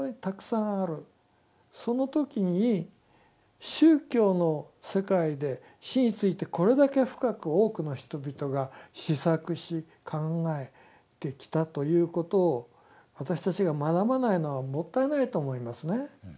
その時に宗教の世界で死についてこれだけ深く多くの人々が思索し考えてきたということを私たちが学ばないのはもったいないと思いますね。